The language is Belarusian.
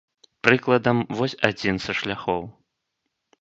Прыкладам, вось адзін са шляхоў.